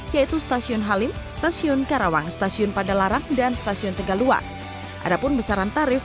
yaitu stasiun halim stasiun karawang stasiun padalarang dan stasiun tegaluar adapun besaran tarif